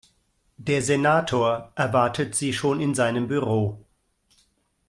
Der Senator erwartet Sie schon in seinem Büro.